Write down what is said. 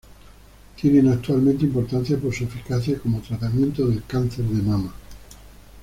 Tienen actualmente importancia por su eficacia como tratamiento del cáncer de mama.